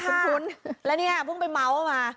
ใช่ค่ะแล้วเนี่ยพึ่งไปเมาส์มา